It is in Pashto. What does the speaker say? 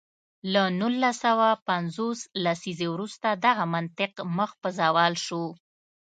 له نولس سوه پنځوس لسیزې وروسته دغه منطق مخ په زوال شو.